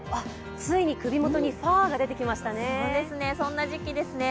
ついに首元にファーが出てきましたね。